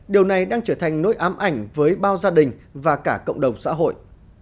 điều này đang trở thành nỗi ám ảnh với bao gia đình và cả cộng đồng xã hội